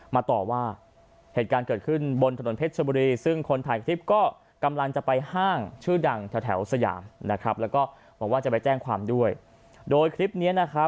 มาต่อว่าเหตุการณ์เกิดขึ้นบนถนนแพทย์ชะมุลี